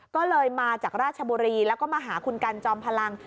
ก็เลยมาจากราชบุรีแล้วก็มาหาคุณกันจอมพลัง